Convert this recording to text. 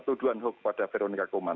tuduhan hukum pada veronica koeman